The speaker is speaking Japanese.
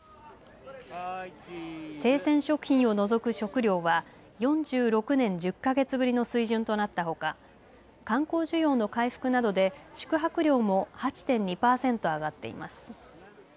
生鮮食品を除く食料は４６年１０か月ぶりの水準となったほか観光需要の回復などで宿泊料も８．２パーセント上がっています。